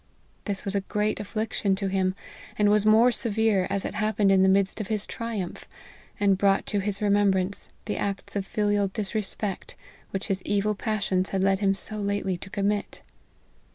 This was a great affliction to him, and was more severe, as it hap pened in the midst of his triumph, and brought to his remembrance the acts of filial disrespect which his evil passions had led him so lately to commit.